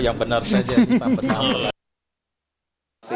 yang benar saja kita benar